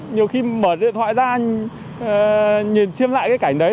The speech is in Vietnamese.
nhiều khi mở điện thoại ra nhìn xem lại cái cảnh đấy